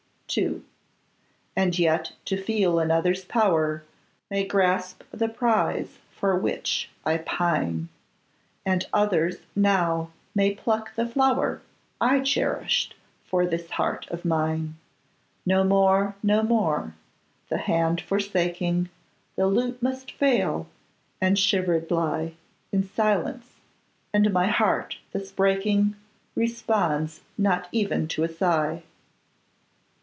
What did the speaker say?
II. And yet to feel another's power May grasp the prize for which I pine, And others now may pluck the flower I cherished for this heart of mine! No more, no more! The hand forsaking, The lute must fall, and shivered lie In silence: and my heart thus breaking, Responds not even to a sigh.